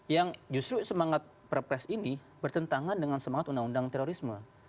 yang justru semangat perpres ini bertentangan dengan semangat undang undang terorisme